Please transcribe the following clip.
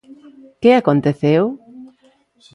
¿Que aconteceu?